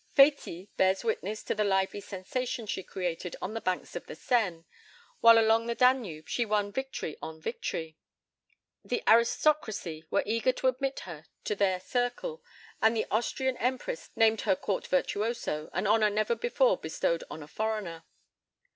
Fétis bears witness to the "lively sensation" she created on the banks of the Seine, while along the Danube she won victory on victory. The aristocracy were eager to admit her to their circle, and the Austrian Empress named her court virtuoso, an honour never before bestowed on a foreigner.